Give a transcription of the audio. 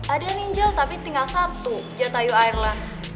ada ninjal tapi tinggal satu jatayu ireland